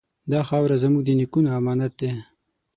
دا خاوره زموږ د نیکونو امانت دی.